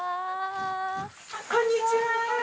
こんにちは。